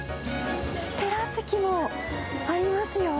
テラス席もありますよ。